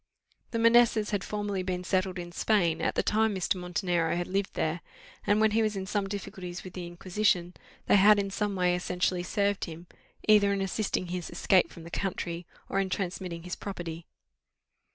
The Manessas had formerly been settled in Spain, at the time Mr. Montenero had lived there; and when he was in some difficulties with the Inquisition, they had in some way essentially served him, either in assisting his escape from that country, or in transmitting his property.